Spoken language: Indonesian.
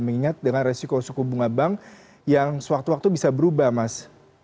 mengingat dengan resiko suku bunga bank yang sewaktu waktu bisa berubah mas